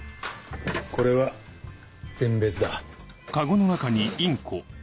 これは餞別だ。